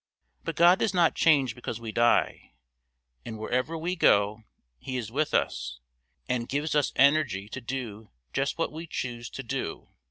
But God does not change because we die, and wherever we go He is with us and gives us energy to do just what we choose to do.